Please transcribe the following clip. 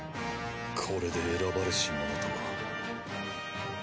これで選ばれし者とは。